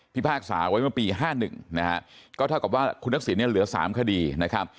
พากษาไว้เมื่อปี๕๑นะฮะก็เท่ากับว่าคุณทักษิณเนี่ยเหลือ๓คดีนะครับ